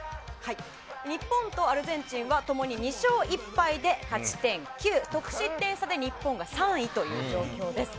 日本とアルゼンチンはともに２勝１敗で勝ち点９、得失点差で日本が３位という状況です。